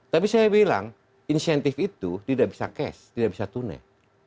tapi saya bilang insentif itu tidak bisa cash tidak bisa tunai